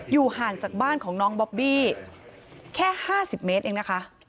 อยู่ห่างจากบ้านของน้องบอบบี้แค่ห้าสิบเมตรเองนะคะ